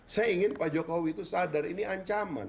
saya ingin pak jokowi itu sadar ini ancaman